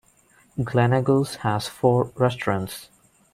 Gleneagles has four restaurants.